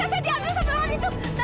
saya diambil sama orang itu